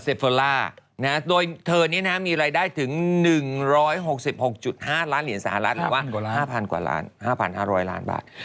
เซฟอลล่าเซฟอลล่าโดยเธอนี้นะมีรายได้ถึง๑๖๖๕ล้านเหรียญสหรัฐหรือว่า๕๐๐๐กว่าล้าน๕๕๐๐ล้านบาท